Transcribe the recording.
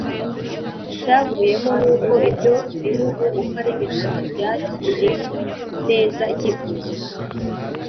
icyavuyemo ni uko ibyo bihugu uko ari bitatu byakiye neza icyifuzo